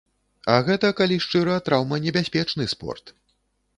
А гэта, калі шчыра, траўманебяспечны спорт.